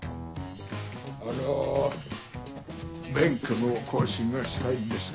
・あの・免許の更新がしたいんですが。